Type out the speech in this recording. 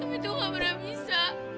tapi tuh gak pernah bisa